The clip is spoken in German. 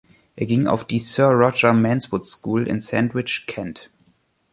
Er ging auf die Sir Roger Manwood‘s School in Sandwich, Kent.